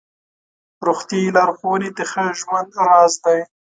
روغتیایي لارښوونې د ښه ژوند راز دی.